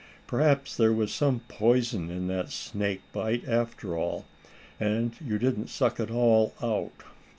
"P'raps there was some poison in that snake bite after all, and you didn't suck it all out."